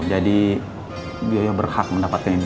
jadi bu yoyo berhak mendapatkan emas ini